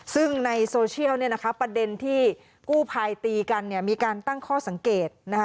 ซึ่งในโซเชียลประเด็นที่กู้ภัยตีกันมีการตั้งข้อสังเกต